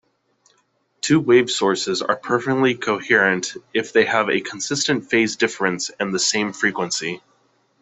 Two-wave sources are perfectly coherent if they have a constant phase difference and the same frequency.